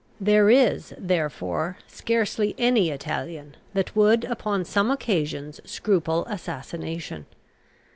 There is, therefore, scarcely any Italian that would upon some occasions scruple assassination.